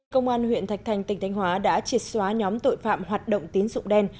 công an huyện thạch thành tỉnh thanh hóa đã triệt xóa nhóm tội phạm hoạt động tín dụng đen